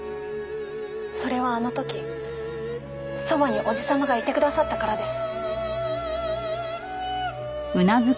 それはあの時そばにおじ様がいてくださったからです。